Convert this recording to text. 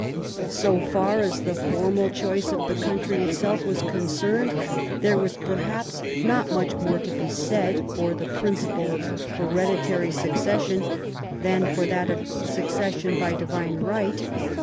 So far as the formal choice of the country itself was concerned, there was perhaps not much more to be said for the principle of hereditary succession than for that of succession by divine right.